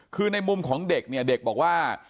คือในมุมของเด็กเนี่ยเด็กบอกว่า